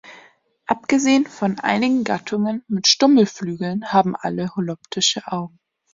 Abgesehen von einigen Gattungen mit Stummelflügeln haben alle holoptische Augen.